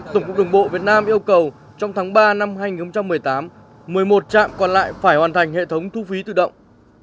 tổng cục đường bộ việt nam yêu cầu trong tháng ba năm hai nghìn một mươi tám một mươi một trạm còn lại phải hoàn thành hệ thống thu phí tự động